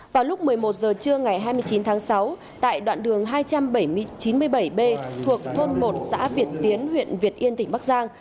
vào lúc một mươi một h trưa ngày hai mươi chín tháng sáu tại đoạn đường hai nghìn bảy trăm chín mươi bảy b thuộc thôn một xã việt tiến huyện việt yên tỉnh bắc giang